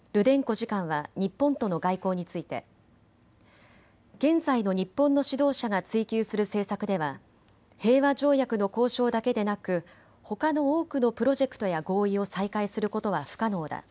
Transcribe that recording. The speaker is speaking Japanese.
次官は日本との外交について現在の日本の指導者が追求する政策では平和条約の交渉だけでなく、ほかの多くのプロジェクトや合意を再開することは不可能だ。